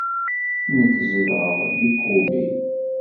Nekk zedɣeɣ deg Kobe.